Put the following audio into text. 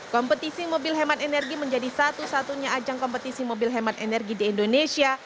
kompetisi mobil hemat energi menjadi satu satunya ajang kompetisi mobil hemat energi di indonesia